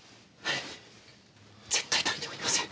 絶対誰にも言いません。